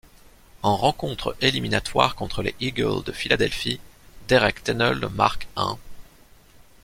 En rencontre éliminatoire contre les Eagles de Philadelphie, Derek Tennell marque un '.